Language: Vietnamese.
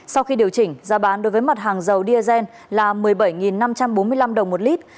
sau khi điều chỉnh giá bán đối với mặt hàng dầu diesel là một mươi bảy năm trăm bốn mươi năm đồng một lít